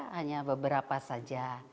hanya beberapa saja